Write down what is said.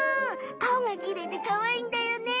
青がきれいでかわいいんだよね。